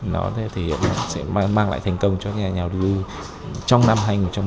nó thể hiện sẽ mang lại thành công cho nhà nhàu trong năm hai nghìn một mươi tám